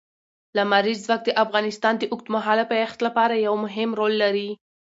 لمریز ځواک د افغانستان د اوږدمهاله پایښت لپاره یو مهم رول لري.